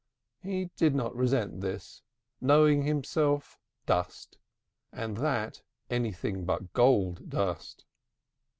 He did not resent this, knowing himself dust and that anything but gold dust.